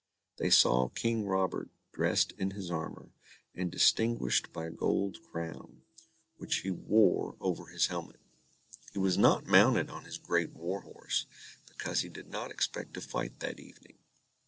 They saw King Robert dressed in his armour, and distinguished by a gold crown, which he wore over his helmet. He was not mounted on his great war horse, because he did not expect to fight that evening.